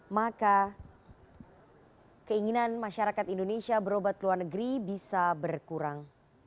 maka keinginan masyarakat indonesia berobat ke luar negeri bisa berkurang